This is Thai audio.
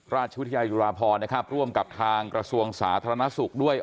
ราชวิทยายุราพรนะครับร่วมกับทางกระทรวงสาธารณสุขด้วย